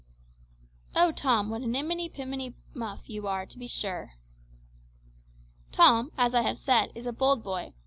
"O Tom, what a nimini pimini muff you are, to be sure!" Tom, as I have said, is a bold boy.